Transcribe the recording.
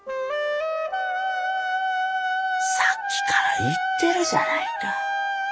さっきから言ってるじゃないか。